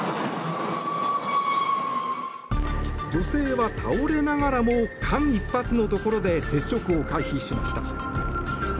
女性は倒れながらも間一髪のところで接触を回避しました。